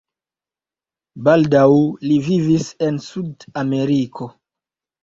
Baldaŭ li vivis en Sud-Ameriko.